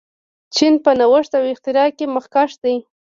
چین په نوښت او اختراع کې مخکښ دی.